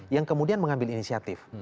yang kemudian mengambil inisiatif